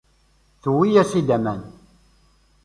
Tuwi-as-id aman.